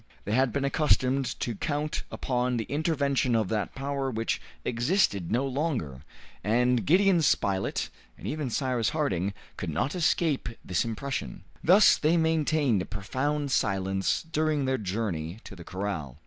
They had been accustomed to count upon the intervention of that power which existed no longer, and Gideon Spilett, and even Cyrus Harding, could not escape this impression. Thus they maintained a profound silence during their journey to the corral.